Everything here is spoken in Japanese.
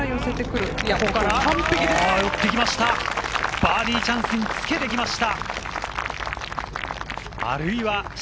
バーディーチャンスにつけてきました。